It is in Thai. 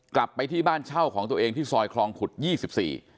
กลับไปที่บ้านเช่าของตัวเองที่ซอยคลองขุดยี่สิบสี่